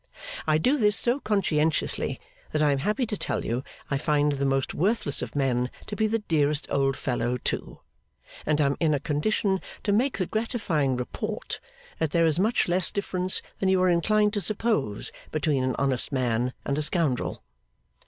I do this so conscientiously, that I am happy to tell you I find the most worthless of men to be the dearest old fellow too: and am in a condition to make the gratifying report, that there is much less difference than you are inclined to suppose between an honest man and a scoundrel.